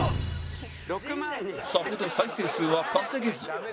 さほど再生数は稼げず